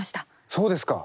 そうですか！